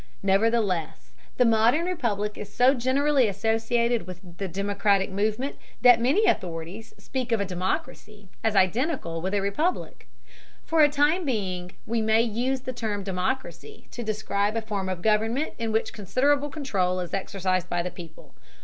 Nevertheless, the modern republic is so generally associated with the democratic movement that many authorities speak of a democracy as identical with a republic. For the time being we may use the term democracy to describe a form of government in which considerable control is exercised by the people.